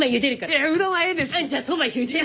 いやうどんはえいですき！